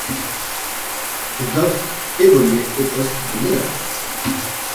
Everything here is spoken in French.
Zdovc évoluait au poste de meneur.